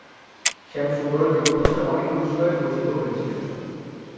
শ্যামসুন্দর জীবদ্দশায় অনেক পুরস্কারে ভূষিত হয়েছিলেন।